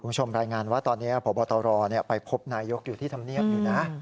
คุณผู้ชมรายงานว่าตอนนี้พบตรไปพบนายกอยู่ที่ธรรมเนียบอยู่นะ